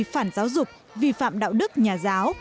phản giáo dục vi phạm đạo đức nhà giáo